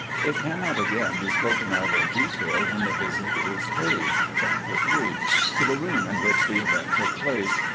it cannot again be spoken of in detail when the visit is paid (Chapter III.) to the room in which the event took place.